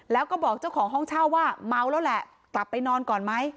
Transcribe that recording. แล้วก็บอกเจ้าของห้องเช่าว่าเมาแล้วแหละกลับไปนอนก่อนไหม